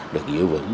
được giữ vững